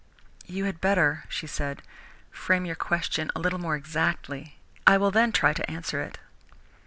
"You had better," she said, "frame your question a little more exactly. I will then try to answer it."